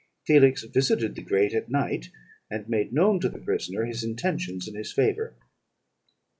Felix visited the grate at night, and made known to the prisoner his intentions in his favour.